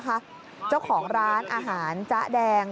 รอบของร้านอาหารจะแดง